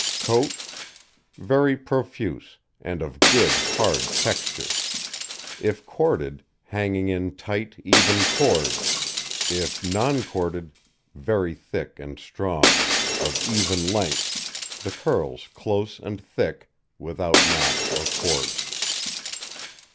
COAT Very profuse, and of good hard texture; if corded, hanging in tight, even cords; if non corded, very thick and strong, of even length, the curls close and thick, without knots or cords.